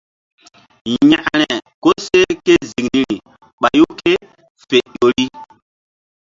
Yȩkre koseh ké ziŋ niri ɓayu ké fe ƴo ri.